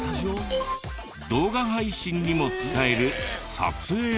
動画配信にも使える撮影スタジオ。